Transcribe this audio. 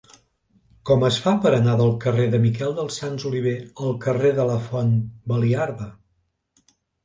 Com es fa per anar del carrer de Miquel dels Sants Oliver al carrer de la Font Baliarda?